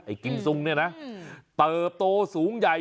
ปลูกไผ่กิมซุงเนี่ยนะเปิบโตสูงใหญ่